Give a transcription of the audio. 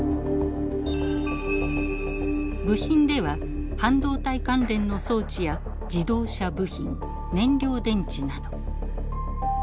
部品では半導体関連の装置や自動車部品燃料電池など。